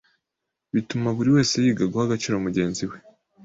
bituma buri wese yiga guha agaciro mugenzi we